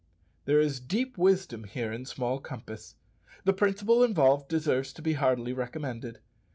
There is deep wisdom here in small compass. The principle involved deserves to be heartily recommended.